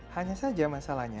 hanya saja masalahnya